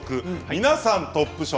皆さんトップ賞。